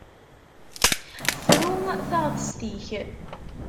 Fru taɣtest-ik.